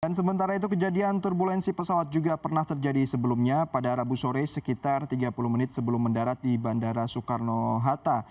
dan sementara itu kejadian turbulensi pesawat juga pernah terjadi sebelumnya pada rabu sore sekitar tiga puluh menit sebelum mendarat di bandara soekarno hatta